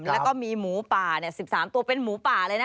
แล้วก็มีหมูป่า๑๓ตัวเป็นหมูป่าเลยนะ